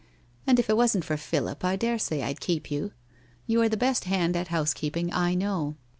And if it wasn't for Philip I daresay I'd keep you! You are the best hand at house keeping I know.